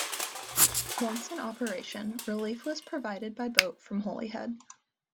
Once in operation, relief was provided by boat from Holyhead.